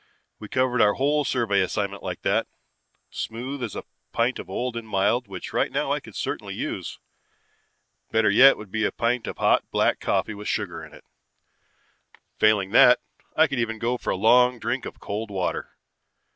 We covered our whole survey assignment like that, smooth as a pint of old and mild which right now I could certainly use. Better yet would be a pint of hot black coffee with sugar in. Failing that, I could even go for a long drink of cold water.